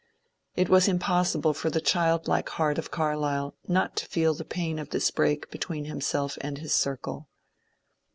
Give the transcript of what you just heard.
It was impossible for the childlike heart of Carlyle not to feel the pain of this break between himself and his circle.